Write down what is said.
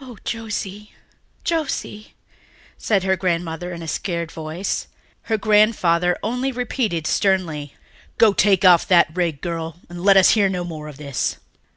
"Oh, Josie, Josie," said her grandmother in a scared voice. Her grandfather only repeated sternly, "Go, take that rig off, girl, and let us hear no more of this."